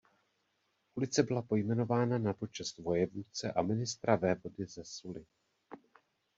Ulice byla pojmenována na počest vojevůdce a ministra vévody ze Sully.